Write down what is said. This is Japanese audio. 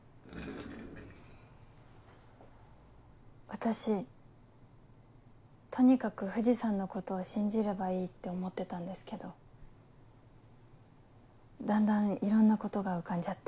私とにかく藤さんのことを信じればいいって思ってたんですけどだんだんいろんなことが浮かんじゃって。